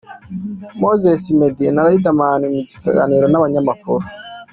Moses, Meddy na Riderman mu kiganiro n'abanyamakuru.